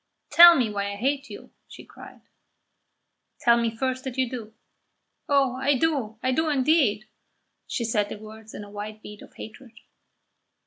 "Tell me why I hate you!" she cried. "Tell me first that you do." "Oh, I do, I do indeed!" She said the words in a white heat of hatred.